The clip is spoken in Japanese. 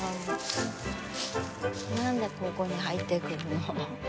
何でここに入ってくるの？